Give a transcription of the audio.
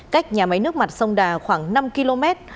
cách nhà máy nước mặt sông đà khoảng năm km